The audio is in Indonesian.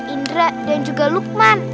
indra dan juga lukman